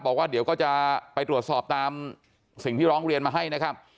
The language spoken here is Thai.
บอกว่าเดี๋ยวก็จะไปตรวจสอบตามสิ่งที่ร้องเรียนมาให้นะครับ